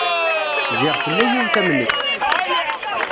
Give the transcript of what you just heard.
Ziɣ tella yiwet am nekk.